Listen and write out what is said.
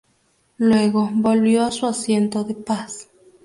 Luego volvió a su asiento de paz.